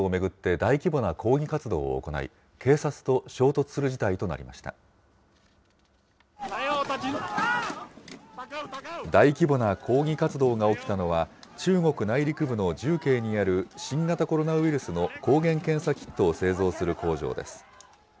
大規模な抗議活動が起きたのは、中国内陸部の重慶にある新型コロナウイルスの抗原検査キットを製造する工場です。